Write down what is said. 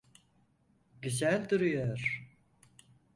Güzel duruyor.